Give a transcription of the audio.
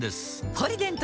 「ポリデント」